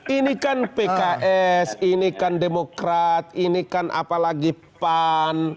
ini kan pks ini kan demokrat ini kan apalagi pan